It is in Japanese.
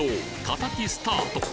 たたきスタート！